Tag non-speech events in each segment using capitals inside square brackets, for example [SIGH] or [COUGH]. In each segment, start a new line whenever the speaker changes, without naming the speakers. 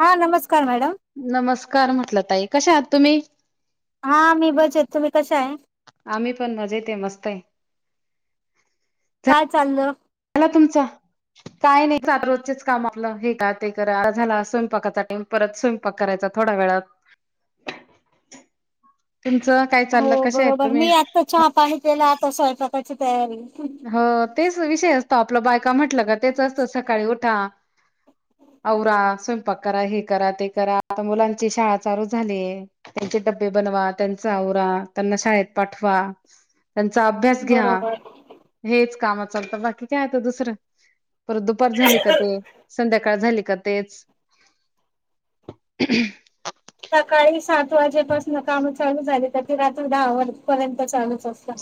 हा नमस्कार मॅडम
नमस्कार म्हटलं त एक कशा आहात तुम्ही
हा मी बसेत तुम्ही कश आहे
आम्ही पण मज येत मस्त आहे
काय चाललं
तुम काही नाही रोज काम आप हे का ते करा झाला स्वयंपाकाचा टाइम परत स्वयंपाक करायचा थोड्या वेळात तुमचं काय
हो
चाललं कशा आहेत
बरोबर
तुम्ही
मी आता चहा पाणी केला आता असयचा त
हो तेच विषय असतो आपलं बायका म्हटलं का तेच असतं सकाळी उठा आवरा स्वयंपाक करा हे करा ते करा आ मुलांची शाळा चालू झाली त्यांचे डबबे बनवा त्यांचा आवरा त्यांना शाळेत पाठवा त्यांचा अभ्यास घ्या
बरोबर
तेच काम चालतं बाकी काय आहेता दुसरं परत दुपार झाली का ते संध्याकाळ झाली का तेच
सकाळी सात वाजेपासून काम चालू झाली तर रात्र दहा वर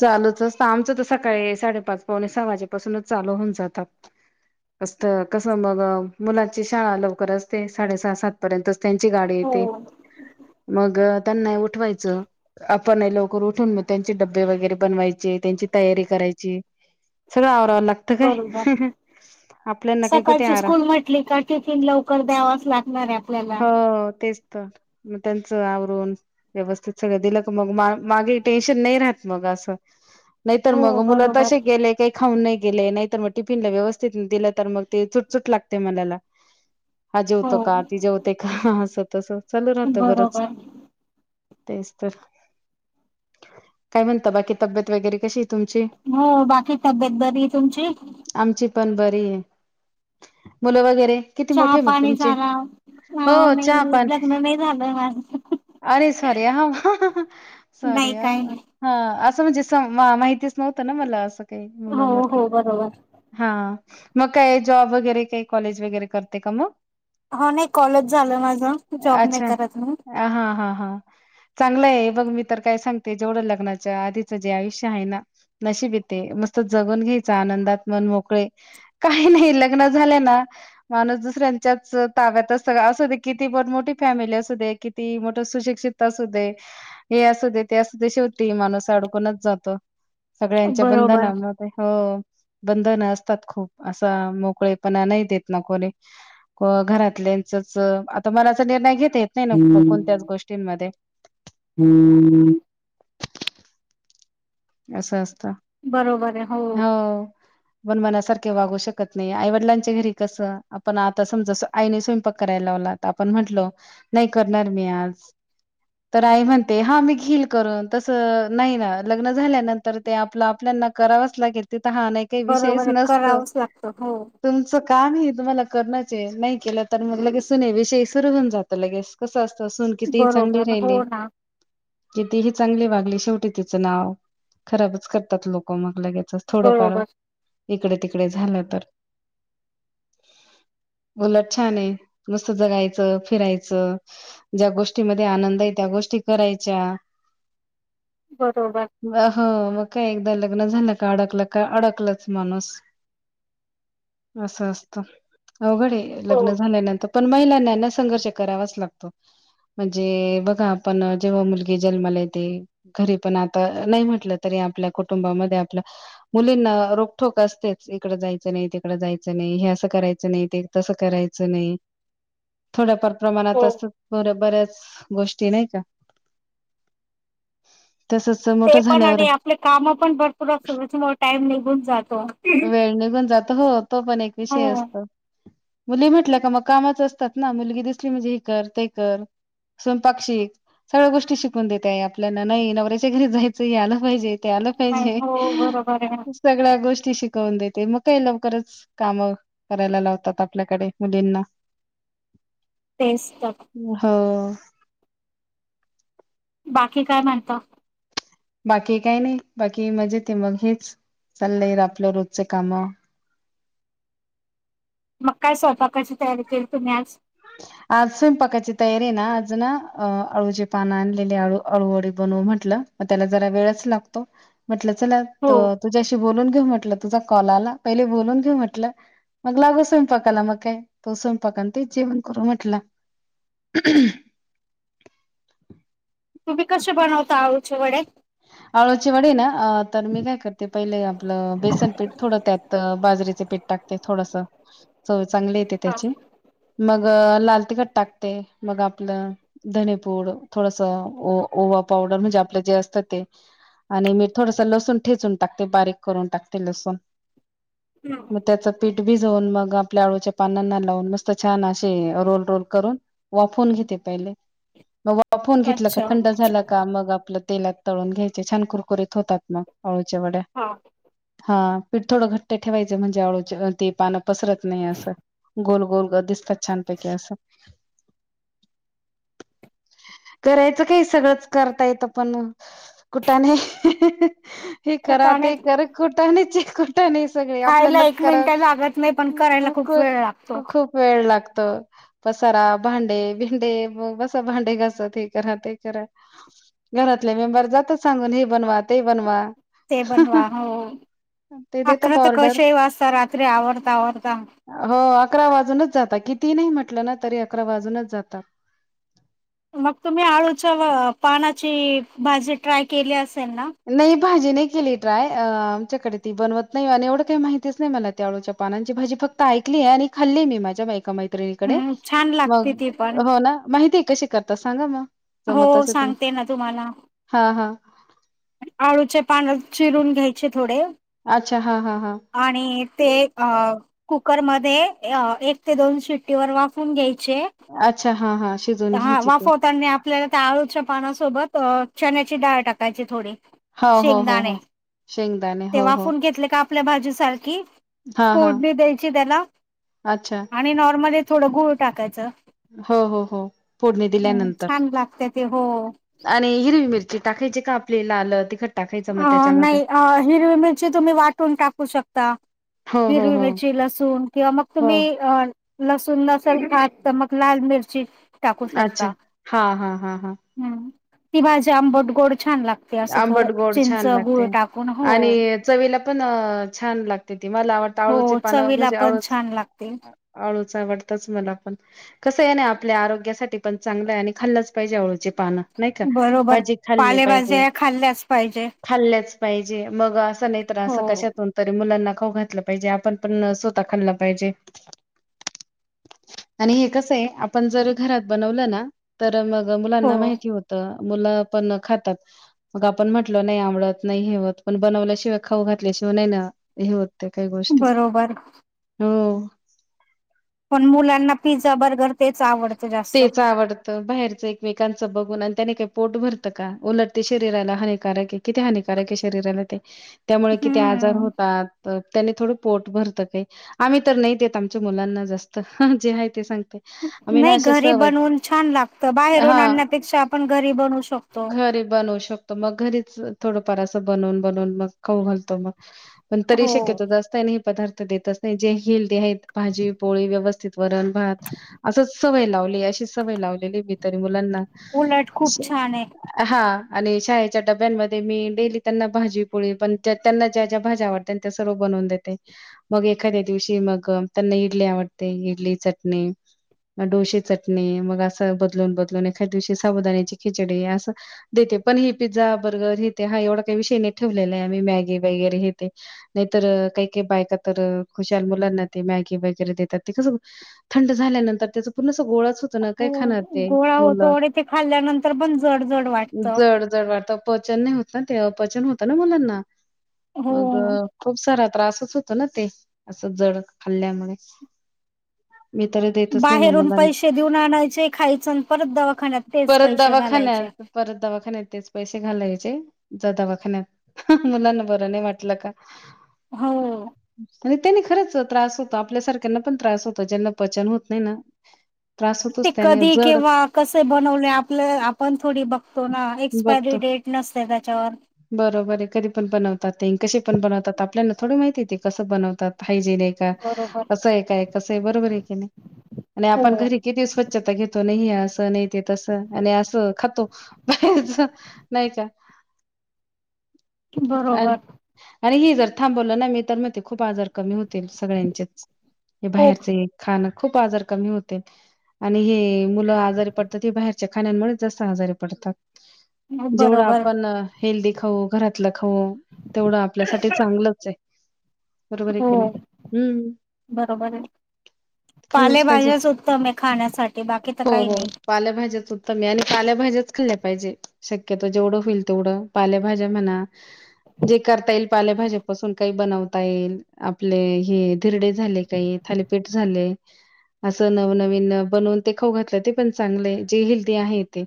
चालूच असत आमचं तस सकाळी साडेपाच पावणे सहा वाजेपासूनच चालू होऊन जातात अस कस मग मुलाची शाळा लवकरचते साडे सहा सात पर्यंत त्यांची गाडी
हो
येते मग त्यांना नाही उठवायचं आपण नाही लवकर उठून म त्यां डबबे वगैरे बनवाचे त्यांची तयारी कराय सग
बरोबर
आपल्याना काही कुठे
सकाळची
आराम
स्कूल म्हटली का टिफिन लवकर द्यावाच लागणार आहे आपल्याला
हो तेच तर मग त्यांचं आवरून व्यवस्थित सगळं दिलं क मग मा मागे टेन्शन नाही राहत मग असं नाहीतर
हो
मग मुला
बरोबर
तसे गेले काही खाऊन नाही गेले नाही तर मग टिफिन ला व्यवस्थित दिलं तर मग ते चुटचुट लागते मनाला हा
हो
जेवतो का ती जेवते का अस तसं चालू राहत बरंच
बरोबर
तेच तर काय म्हणत बाकी तब्येत वगैरे कशी तुमची
हो बाकी तब्येत बरी आहे तुमची
आमची पण बरी आहे मुलं वगैरे किती
चहा
मोठे मग
पाणी
तुमचे
झाला
हो चहा
नाही
पान
लग्न नाही झालं माझं
अरे सॉरी ह सर
नाही
या
काय नाही
हा असं म्हणजे माहितीच नव्हतं ना मला असं. ते
हो
म्हणून म्हटलं
हो बरोबर.
हा. मग काय जॉब वगैरे काही कॉलेज वगैरे करते का मग
हा नाही कॉलेज झालं माझ जॉब नाही
अच्छा.
करत मी.
हां, हां, हां. [UNINTELLIGIBLE] तर काय सांगते जेवढं लग्नाच्या आधीच जे आयुष्य आहे ना नशिबिते मस्त जगून घ्यायच आनंदात मन मोकळे काही नाही लग्न झाल्या ना माणूस दुसऱ्यांच्याच ताब्यात असत असू दे किती मोठी फॅमिली असू दे किती मोठ सुशिक्षित असू दे हे असू दे ते असू दे शेवटी माणूस अडकूनच जातो. सगळ्यांच्या
बरोबर.
बंधनामध्येत हो बंधन असतात खूप असा मोकळेपणा नाही देत ना कोणी घरातल्याचच आता मनाचा निर्णय घेत येत नाही ना कोणत्याच गोष्टींमध्ये
[UNINTELLIGIBLE]
असं असतं
बरोबर आहे हो.
पण मनासारखे वागू शकत नाही आईवडिलांच्या घरी कसं आपण आता समजा आईने स्वयंपाक करायला लावला तर आपण म्हटलो नाही करणार मी आज तर आई म्हणते हा मी घेईल करून तसं नाही ना ल झाल्यानंतर ते आपलं आपल्याना करावंच लागेल ह नाही काही विषयच
बरोबर आहे
नसत
करावंच लागतं हो.
तुमच काम हे तुम्हाला करणच हे नाही केलं तर मग लगेचन सुने विषयी सुर होऊन जातं लगेच कसं असत असून किती चांगले
बरोबर हो
राहिले.
ना
कितीही चांगली वागली शेवटी तिचं नाव खराबच करतात लोक मग लगेच थोडं फार
बरोबर
इकडे तिकडे झालं तर उलट छान आहे नुसत जगायचं फिरायचं ज्या गोष्टीमध्ये आनंद आहे त्या गोष्टी करायच्या
बरोबर
अ ह. का एकदा लग्न झालं का अडकलं का अडकलच माणूस असं असत अवघड आहे
हो
लग्न झाल्यानंतर पण महिलांना संघर्ष करावाच लागतो म्हणजे बघा आपण जेव्हा मुलगी जन्माला येते घरी पण आता नाही म्हटलं तरी आपल्या कुटुंबामध्ये आपल्या मुलींना रोखटोक असतेच इकड जायचं नाही तिकड जायचं नाही हे असं करायच नाही ते तसं करायचं नाही थोडफार
हो.
प्रमाणात असत बऱ्याच गोष्टी नाही का. तसच
ते
मोठं
पण
झाल्यावर
आणि आपले काम पण भरपूर सुर टाइम निघून जात
वेळ निघून जात हो तो पण एक
हो
विषय असतो मुली म्हटल्या का मग कामाच असतात ना मुलगी दिसली म्हणजे हे कर ते कर स्वयंपाक शिक सगळ्या गोष्टी शिकून देतय आपल्याला नाही नवऱ्याच्या घरी जायचं आलं पाहिजे ते आलं
नाही
पाहिजे
हो बरोबर आहे
सगळ्या गोष्टी शिकवून देते मग काही लवकरच काम करायला लावतात आपल्याकडे मुलींना
तेच तर.
हो [INAUDIBLE]
बाकी काय म्हणत
बाकी काही नाही बाकी मजेत हाय मग हेच चाललंय आपलं रोजच काम
मग काय स्वतः कशी तयारी केल तुम्ही आज
आज स्वैपाकची तयारी ना आज ना अळूचे पान आणलेली अळूवडी बनवू म्हटलं मग त्याला जरा वेळच लागतो म्हटलं चल
हो
तुझ्याशी बोलून घेऊ म्हट तुझा कॉल आला पहिले बोलून घेऊ म्हटलं मग लागो स्वयंपाकाला मग काय तो स पका ते जेव करू म्हटलं
तुम्ही कसे बनवता अळूचे वडे
आळचचे वडे ना अ तर मी काय करते पहिले आपलं बेसन पीठ थोडं त्यात बाजरीेचे पीठ टाकते थोड चांगले येते त्याचे मग लाल तिखट टाकते मग आपलं धनीपूड थोडस ओ ओवा पावडर म्हणजे आपलं जे असतं ते आणि मी थोडस लसण ठेचून टाकते बारीक करून टाकते लसण मग त्याच पीठ छ वापवून घेतलं का
अच्छा
थंड झाला का मग आपलं तिला तळून घ्यायचे छान कुरकुरीत होतात ना होळ चवट
हा
हा पीठ थोडं घट्ट ठेयं म्हणजेळं ते पान पसरत नाही अस गोल गोलग दिसत छानपैकी अस असं करायचं काही सगळंच करता येत पण कुठा नाही हे करा
कुटाणे
ते कर खुटा च नाही सगळे
खायला
आपल्यानाच
एक
करा
मिनिट लागत नाही पण करायला खूप वेळ लागतो
खूप वेळ लागतो पसारा भांडे भिंडे बस भांडे घ क करा घरातले मेंबर जात सांगून हे बन
ते बनवा हो
ते देतात
अकरा तर
ऑर्डर
कश वाचता रात्री आवडता आवडता
हो अकरा वाजूनच जातात किती नाही म्हटलं ना तरी अकरा वाजूनच जातात
मग तुम्ही आळूच्या पानाची भाजी ट्राय केली अस ना
नाही भाजी नाही केली ट्रय आमच्याकडे ती बनवत नाही आणि एवढं काही माहितीच नाही मला त्याळूच्या पानांची भाजी फक्त ऐकली आहे आणि खाल्ली मी माझ्या बायका माहिती
हम्म छान लागते
मग
ती पण
हो ना माहिती कशी करताात सांगा. मग जमत
हो
असेल तर
सांगते ना तुम्हाला
हां, हां.
आणिचे पाण्यात चिरून घ्यायचे थोडे
अच्छा. हा हा हा
आणि ते अ कुकर मध्ये एक ते दोन शिट्टी व वाफून घ्यायचे.
अच्छा हां, हां. शिजवून
हा
घ्यायची ती.
वाफवत आपल्याला त्या आळूच्या पानासोबत चण्याची डाळ टाकायची थोडी
हा हो हो हो
शेंगदाणे
हो शेंगदाणे
ते
हो हो
वाफून घेतले का आपल्या भाजूसारखी
हां, हां.
फोडनी द्यायची त्याला
अच्छा.
आणि नॉर्मली थोड गुळ टाकायच.
हो हो हो फोडणी
हम्म
दिल्यानतर
छान लागते ते हो
आणि हिरवी मिर ते टाकायचे का आपले लाल ते
अ नाही अ मिरची तुम्ही वाटून टाकू शकता
हो, हो,
हिरवी
हो.
मिरची लसूण किंवा मग
हो.
तुम्ही अ लसूण नसलं खात त मग लाल मिरची टाकू शकता
अच्छा हा हा हा हा.
हम्म ती भाजी आंबटगोड छान लागते असं थोडं
आंबट गोड
चिंच
छान
गुळ
लागते
टाकून हो
आणि चवीलापण छान लागते. ती भा
हो चवीला पण छान लागते.
आळूच आवडतच मला पण कस आहे ना आपल्या आरोग्यासाठी पण चांगल आणि खाल्लंच पाहिजे आळूचे पान नाही का
बरोबर
पाहिजे खाल्ले पाहिजे.
पालेभाज्या खाल्ल्याच पाहिजे
खाल्ल्याच पाहिजे मग असं नाही तर
हो
असं कशातून तरी मुलाना खाऊ घातले पाहिजे. आपण न स्वतः खाल्लं पाहिजे. आणि हे कसये आपण जर घरात बनवलना तर मग
हो
मुलांना माहिती होत. मुलं पण अ खातात. मग आपण म्हटल नाही आवडत नाही हेवत पण बनवल्याशिवाय खाऊ घातल्याशिवाय नाही ना हे होत. ते काही गोष्टी
बरोबर.
हु
पण मुलांना पिझ्झा बर्गर तेच आवड
तेच आवडतं बाहेरच एकमेकांचं बघून न. त्याने का पोट भरतं का उलट हानिकारक किती हानिकारके शरीराला ते त्यामुळे किती आजार
हं.
होतात त्याने थोडुक पोट भरत ते आम्ही तर नाही, देत आमच्या मुलांना जास्त जे आहे ते सांगते. आमी ना
नाही
अशे
घरी
स
बनवून छान लागत बाहेरून आणण्यापेक्षा आपण घरी बनवू शकतो
घरी बनवू शकतो मग घरीच थोडंफार असं बनवून बनवून मग खाऊ घालतो मग पण तरी
हो.
शक्यतो, जास्त ना हे पदार्थ. देतच नाही जे हेलदी ते आहेत, भाजी पोळी व्यवस्थित वरण भात असच सवय लावली. मी अशी सवय लावलेली तरी मुल मुलाना
उलट
स
खूप छान आहे.
हा आणि शाळेच्या डब्यांमध्ये मी डेली त्यांना भाजी पोळी पण त्यांना ज्या ज्या भाज्या आवडतात त्या सर्व बनवून देते मग एखाद्या दिवशी मग त्यांना इडली आवडते इडली चटणी मग डोशे चट णी मग अस बदलून बदलून एखाद्या दिवशी साबुदाण्याची खिचडी असं देते पण हे पिझ्झा बर्गर हेेते हा एवढा काही विषय नाही ठेवलेला आहे आम्ही मॅगी वगैरे हेेते नाहीतर काही काही बायका तर खुशाल मुलांना ते मॅगी वगैरे देतात ते कसं थंड झाल्यानंतर त्याच पूर्ण गोळा
हो गोळा होतो आणि ते खाल्ल्यानंतर पण जड जड वाटत.
जड जड वाटतं पचन नाही होत ना ते अपचन होत ना मुलांना. मग
हो.
खूप सारा त्रासच होत ना ते असं जड खाल्ल्यामुळे. मी तर देतच नाही मग
बाहेरून
मुलां
पैसे देऊन आणायचे, खायचं आणि परत दवाखान्यात तेच
परत
पैसे घालायचे.
दवाखान्यात परत दवाखान्यात तेच पैसे घालायचे जा दवाखान्यात मुलांना बरं नाही वाटलं का.
हो.
आणि त्यानी खरंच त्रास होतो आपल्या सारख्यांना पण त्रास होतो ज्यांना पचन होत नाही ना त्रास
ते
होतोच त्याने
कधी
जड
किंवा कसे बनवले आपलं आपण थोडी बघतो ना एक्सपायरी
बघतो
डेट नसते त्याच्यावर.
बरोबर आहे कधी पण बनवतात ते अन कसे पण बनवतात आपल्याला थोडी माहितीे ते कसं बनवतात. पाहिजे नाही का
बरोबर.
कसं आहे काय कसं आहे बरोबर आहे की नाही आणि
हो.
आपण घरी स्वच्छता घेतो नाही हे असं नाही ते तसं आणि असं खातो बाहेरच नाही का.
बरोबर.
आणि हे जर थांबवलं ना मी तर म्हणते खूप आजार कमी होतील सगळ्यांचेच हे
हो
बाहेरच खाण खूप आजार कमी होतील. आणि हे मुलं आजारी पडतात हे बाहेरच्या खाण्यामुळेच जास्त आजारी पडतात. जेवढं
बरोबर
आपण हेल्दी खाऊ घरातलं खाऊ तेवढं आपल्यासाठी चांगलंच आहे. बरोबर आहे
हो
की नाही हम्म
बरोबर आहे
खाल्लंच पाहिजे.
पालेभाज्याच उत्तम आहेत.
हो हो पाल्याभाज्याच उत्तम आहे आणि पालेभाज्याच खाल्ल्या पाहिजे शक्यतो जेवढ होईल तेवढ पालेभाज्या म्हणा जे करता येईल पालेभाज्या पासून काही बनता येईल आपले हे धिरडे झाले काही थालीपीठ झाली अस नवनवी न बनवून ते खाऊ घातलं. ते पण चांगलं आहे जे हेल्दी आहे ते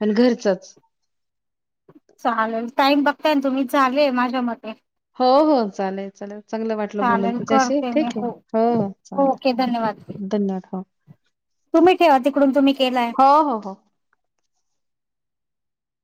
पण घरचच.
चालेल टाईम बघताय ना तुम्ही झाले माझ्या मते.
हो हो चालेल चालेल. चांगलं वाटलं बोलून
चालेल
तुमच्याशी
करते मी
ठीक आहे, हो हो
ओके
चालेल
धन्यवाद
धन्यवाद हो.
तुम्ही ठेवा तिकडून तुम्ही केलाय.
हो, हो, हो.